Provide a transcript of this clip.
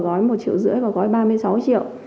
tôi vào gói một triệu rưỡi vào gói ba mươi sáu triệu